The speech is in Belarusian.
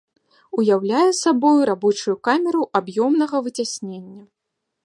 Уяўляе сабою рабочую камеру аб'ёмнага выцяснення.